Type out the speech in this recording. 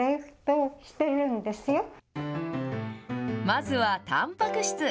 まずはたんぱく質。